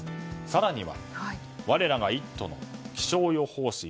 更には、我らが「イット！」の気象予報士